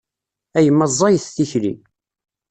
A yemma ẓẓayet tikli.